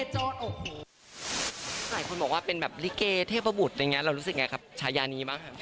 หลายคนบอกว่าเป็นแบบลิเกเทพบุรุษเรารู้สึกอย่างไรครับชายานี้บ้าง